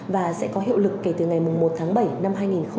và sẽ có hiệu lực kể từ ngày một tháng bảy năm hai nghìn một mươi chín